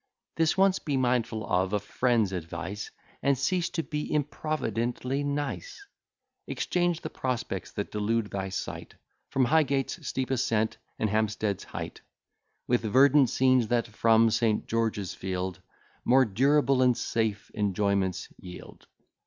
This once be mindful of a friend's advice, And cease to be improvidently nice; Exchange the prospects that delude thy sight, From Highgate's steep ascent and Hampstead's height, With verdant scenes, that, from St. George's Field, More durable and safe enjoyments yield.